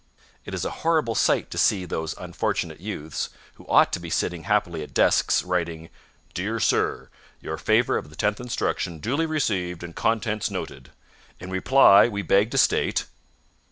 It is a horrible sight to see those unfortunate youths, who ought to be sitting happily at desks writing "Dear Sir, Your favor of the tenth inst. duly received and contents noted. In reply we beg to state...."